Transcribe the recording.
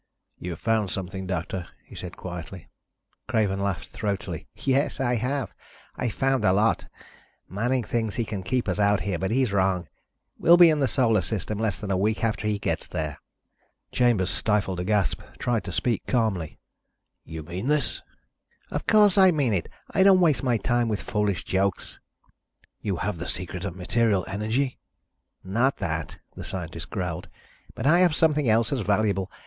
"You've found something, Doctor," he said quietly. Craven laughed, throatily. "Yes, I have. I've found a lot. Manning thinks he can keep us out here, but he's wrong. We'll be in the Solar System less than a week after he gets there." Chambers stifled a gasp, tried to speak calmly. "You mean this?" "Of course I mean it. I don't waste my time with foolish jokes." "You have the secret of material energy?" "Not that," the scientist growled, "but I have something else as valuable.